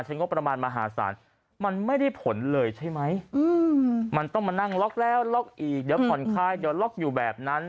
งบประมาณมหาศาลมันไม่ได้ผลเลยใช่ไหมมันต้องมานั่งล็อกแล้วล็อกอีกเดี๋ยวผ่อนคลายเดี๋ยวล็อกอยู่แบบนั้น